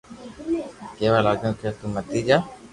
ڪيوا لاگيو ڪي تو متي جا